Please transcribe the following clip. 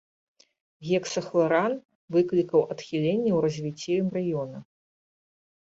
Гексахларан выклікаў адхіленні ў развіцці эмбрыёна.